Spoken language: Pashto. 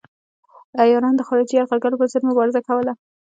عیارانو د خارجي یرغلګرو پر ضد مبارزه کوله.